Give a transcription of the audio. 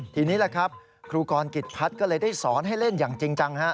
ทีนี้แหละครับครูกรกิจพัฒน์ก็เลยได้สอนให้เล่นอย่างจริงจังฮะ